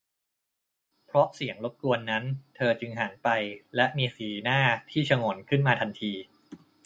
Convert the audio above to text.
เพราะเสียงรบกวนนั้น เธอจึงหันไปและมีสีหน้าที่ฉงนขึ้นมาทันที